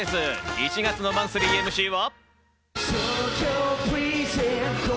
１月のマンスリーＭＣは。